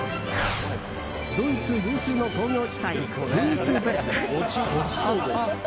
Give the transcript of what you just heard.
ドイツ有数の工業地帯デュイスブルク。